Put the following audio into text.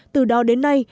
từ đó đến nay